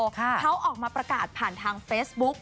เขาออกมาประกาศผ่านทางเฟซบุ๊ก